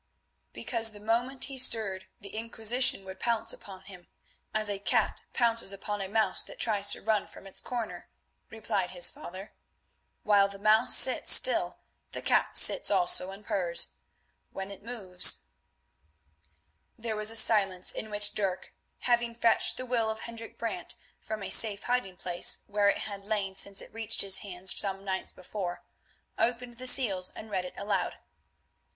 "Because the moment he stirred the Inquisition would pounce upon him, as a cat pounces upon a mouse that tries to run from its corner," replied his father. "While the mouse sits still the cat sits also and purrs; when it moves——" There was a silence in which Dirk, having fetched the will of Hendrik Brant from a safe hiding place, where it had lain since it reached his hands some months before, opened the seals and read it aloud.